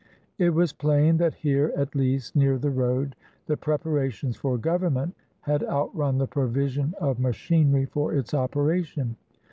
It was plain that here, at least, near the road, the preparations for government had outrun the provision of machinery for its operation.